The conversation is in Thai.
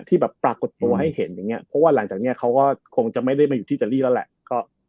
ที่แบบปรากฏตัวให้เห็นอย่างเงี้เพราะว่าหลังจากเนี้ยเขาก็คงจะไม่ได้มาอยู่ที่อิตาลีแล้วแหละ